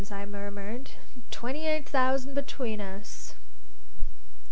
I murmured. "Forty eight thousand between us!"